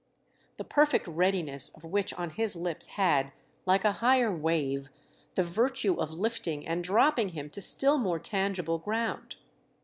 The perfect readiness of which on his lips had, like a higher wave, the virtue of lifting and dropping him to still more tangible ground.